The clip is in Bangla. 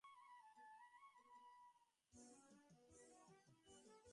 ও-বাড়ি থেকেই কি করে আসার কথা ছিল।